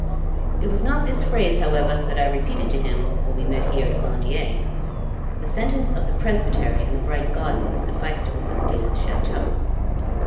It was not this phrase, however, that I repeated to him, when we met here at Glandier. The sentence of the presbytery and the bright garden sufficed to open the gate of the chateau.